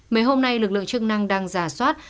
mấy hôm nay lực lượng chức năng đang giả soát